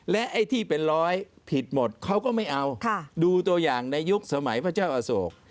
และไอ้ที่เป็นร้อยผิดหมดเขาก็ไม่เอาดูตัวอย่างในยุคสมัยพระเจ้าอโศก